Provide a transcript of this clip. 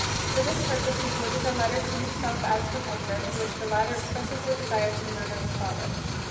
For this purpose, he forges a letter to himself as from Edgar, in which the latter expresses a desire to murder his father.